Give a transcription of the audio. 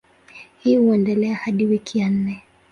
Hii huendelea hadi wiki ya nne.